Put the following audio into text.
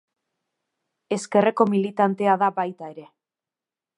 Ezkerreko militantea da baita ere.